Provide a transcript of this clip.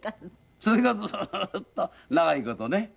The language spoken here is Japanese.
それがずーっと長い事ね